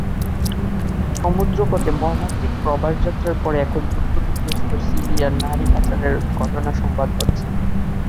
সমুদ্রপথে মর্মান্তিক প্রবাসযাত্রার পরে এখন যুদ্ধবিধ্বস্ত সিরিয়ায় নারী পাচারের ঘটনা সংবাদ হচ্ছে।